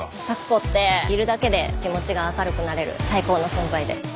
咲子っているだけで気持ちが明るくなれる最高の存在で。